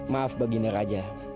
maaf pak jendral raja